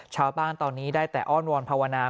ชาวบ้านตอนนี้ได้แต่อ้อนวอนภาวนา